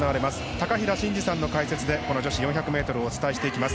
高平慎士さんの解説で女子４００ｍをお伝えしていきます。